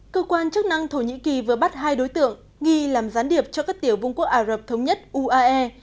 cơ quan chức năng thổ nhĩ kỳ vừa bắt hai đối tượng nghi làm gián điệp cho các tiểu vương quốc ả rập thống nhất uae